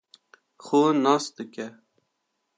xwe nas dike